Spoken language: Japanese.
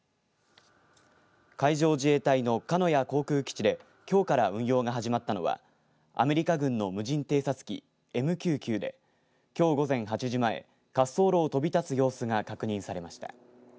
海上自衛隊の鹿屋航空基地できょうから運用が始まったのはアメリカ軍の無人偵察機ＭＱ９で、きょう午前８時前滑走路を飛び立つ様子が確認されました。